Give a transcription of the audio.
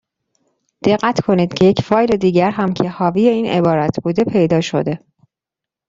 دقت کنید که یک فایل دیگر هم که حاوی این عبارت بوده پیدا شده.